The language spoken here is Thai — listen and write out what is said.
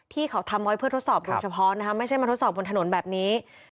ทำร้อยเพื่อทดสอบโดยเฉพาะไม่ใช่มาทดสอบบนถนนแบบนี้